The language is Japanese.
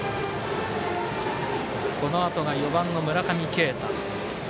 このあとが４番、村上慶太。